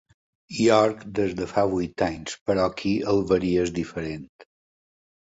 York des de fa vuit anys, però aquí el verí és diferent.